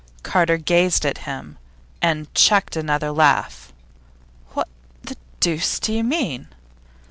Carter gazed at him, and checked another laugh. 'What the deuce do you mean?